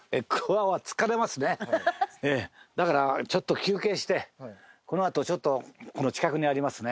だからちょっと休憩してこのあとこの近くにありますね